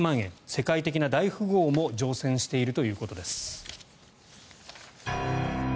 世界的な大富豪も乗船しているということです。